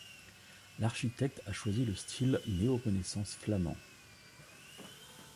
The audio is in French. L’architecte a choisi le style néorenaissance flamand.